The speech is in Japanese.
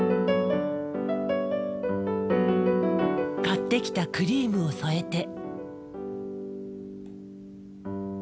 買ってきたクリームを添えて。